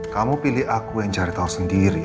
kamu pilih aku yang cari tahu sendiri